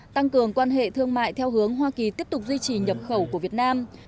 tăng cường quan hệ thương mại theo hướng hoa kỳ tiếp tục duy trì nhập khẩu của việt nam